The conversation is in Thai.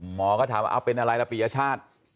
หมอก็ถามว่าเป็นอะไรล่ะปริญญาชาติ